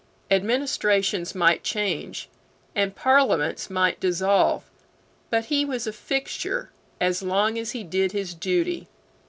Administrations might change, and Parliaments might dissolve; but he was a fixture as long as he did his duty.